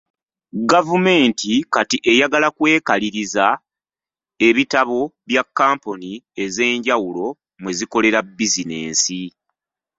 Gavumenti kati eyagala kwekaliriza ebitabo bya kampuni ez'enjawulo mwe zikolera bizinensi.